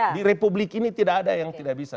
di republik ini tidak ada yang tidak bisa